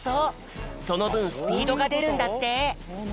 そのぶんスピードがでるんだって。